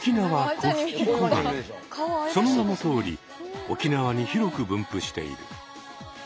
その名のとおり沖縄に広く分布している。